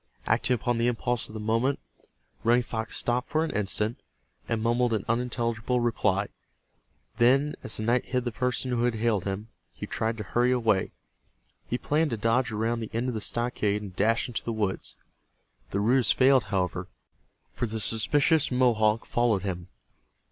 Acting upon the impulse of the moment, Running Fox stopped for an instant, and mumbled an unintelligible reply. Then, as the night hid the person who had hailed him, he tried to hurry away. He planned to dodge around the end of the stockade and dash into the woods. The ruse failed, however, for the suspicious Mohawk followed him.